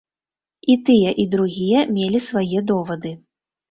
І тыя і другія мелі свае довады.